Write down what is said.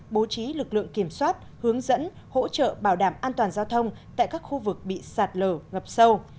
bố trí lực lượng kiểm soát hướng dẫn hỗ trợ bảo đảm an toàn giao thông tại các khu vực bị sạt lở ngập sâu